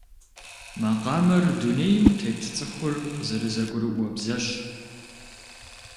Макъамэр дунейм тет цӏыхур зэрызэгурыӏуэ бзэщ.